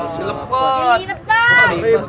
sinan jalan di leras sampai ke tebut